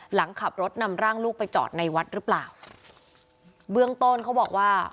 หลังขับรถนำร่างลูกไปจอดในวัดหรือเปล่าเบื้องต้นเขาบอกว่า